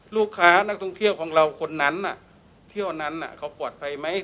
นักท่องเที่ยวของเราคนนั้นเที่ยวนั้นเขาปลอดภัยไหม